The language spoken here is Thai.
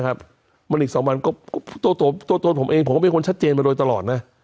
หลีก๒วันตัวผมเองผมก็เป็นคนชัดเจนมาโดยตลอดนะ